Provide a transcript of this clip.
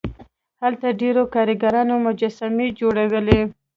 هلته ډیرو کارګرانو مجسمې جوړولې.